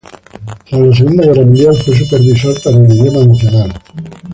Tras la Segunda Guerra Mundial fue supervisor para el idioma nacional.